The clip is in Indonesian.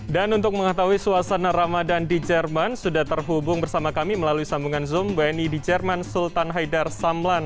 dan untuk mengetahui suasana ramadan di jerman sudah terhubung bersama kami melalui sambungan zoom bni di jerman sultan haidar samlan